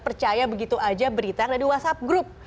percaya begitu aja berita yang ada di whatsapp group